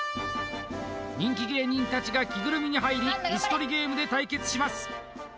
人気芸人たちが着ぐるみに入りイス取りゲームで対決します